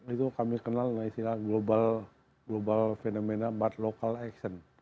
itu kami kenal nama isinya global fenomena but local action